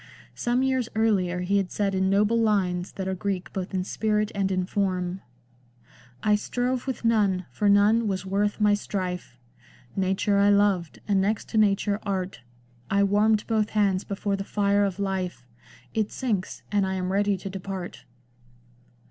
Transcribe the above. Some years earlier he had said in noble lines that are Greek both in spirit and in form :—" I strove with none, for none was worth my strife ; Nature I loved, and next to Nature, Art ; I wanned both hands before the fire of life ; It sinks, and I am ready to depart."